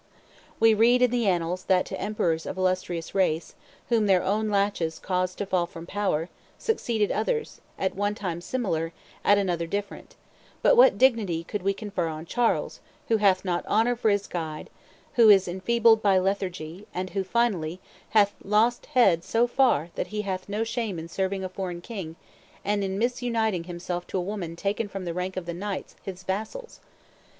We read in the annals that to emperors of illustrious race, whom their own laches caused to fall from power, succeeded others, at one time similar, at another different; but what dignity could we confer on Charles, who hath not honor for his guide, who is enfeebled by lethargy, and who, finally, hath lost head so far that he hath no shame in serving a foreign king, and in misuniting himself to a woman taken from the rank of the knights his vassals?